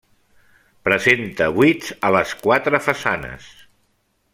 Presenta buits a les quatre façanes.